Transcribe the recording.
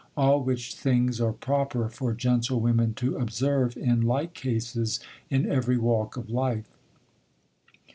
All which things are proper for gentlewomen to observe, in like cases, in every walk of life.